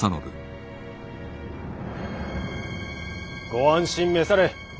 ご安心召され。